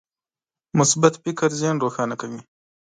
مثبت فکر ذهن روښانه کوي.